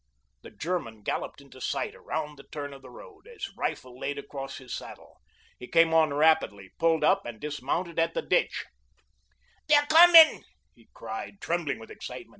The German galloped into sight, around the turn of the road, his rifle laid across his saddle. He came on rapidly, pulled up, and dismounted at the ditch. "Dey're commen," he cried, trembling with excitement.